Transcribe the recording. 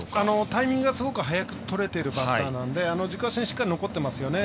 タイミングがすごく早くとれているバッターなので軸足にしっかり残ってますよね。